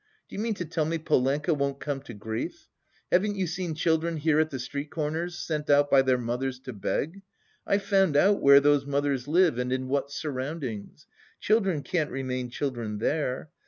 Do you mean to tell me Polenka won't come to grief? Haven't you seen children here at the street corners sent out by their mothers to beg? I've found out where those mothers live and in what surroundings. Children can't remain children there!